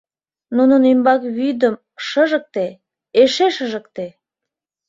— Нунын ӱмбак вӱдым шыжыкте, эше шыжыкте!